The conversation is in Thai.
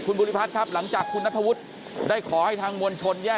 คุณภูริพัฒน์บุญนินคุณภูริพัฒน์บุญนิน